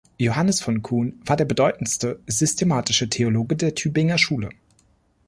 Johannes von Kuhn war der bedeutendste systematische Theologe der Tübinger Schule.